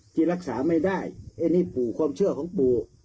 ที่รักษาไม่ได้อันนี้ปู่ความเชื่อของปู่